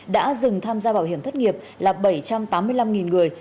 đã dừng tham gia bảo hiểm thất nghiệp là bảy trăm tám mươi năm người